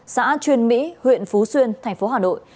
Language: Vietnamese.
xã truyền mỹ huyện phú xuyên tp hà nội